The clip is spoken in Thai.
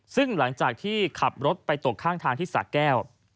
ซึ่งหลังจากที่ขับรถไปตกข้างทางที่สะแก้ว